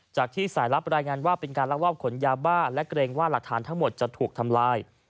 จากที่สายลับรายงานว่าเป็นการลักลอบขนยาบ้าและเกรงว่าหลักฐานทั้งหมดจะถูกทำลาย